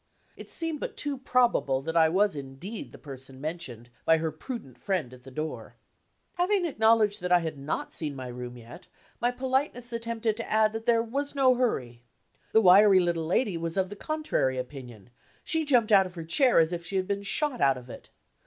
It seemed but too probable that I was indeed the person mentioned by her prudent friend at the door. Having acknowledged that I had not seen my room yet, my politeness attempted to add that there was no hurry. The wiry little lady was of the contrary opinion; she jumped out of her chair as if she had been shot out of it.